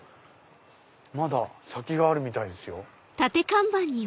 まだ先があるみたいですよ。